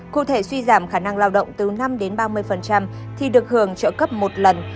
cụ thể suy giảm khả năng lao động từ năm đến ba mươi thì được hưởng trợ cấp một lần